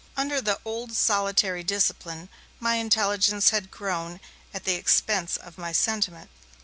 Under the old solitary discipline, my intelligence had grown at the expense of my sentiment.